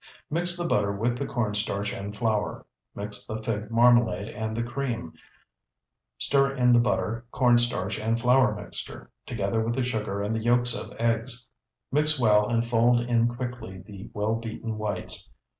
Mix the butter with the corn starch and flour; mix the fig marmalade and the cream; stir in the butter, corn starch, and flour mixture, together with the sugar and the yolks of eggs. Mix well and fold in quickly the well beaten whites.